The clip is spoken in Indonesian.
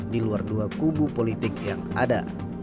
di luar dua kubu politik yang ada